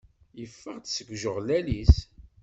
Yeffeɣ-d seg ujeɣlal-is.